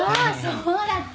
そうだった。